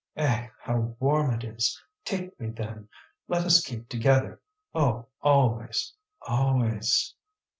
"Eh? how warm it is! Take me, then; let us keep together. Oh, always, always!"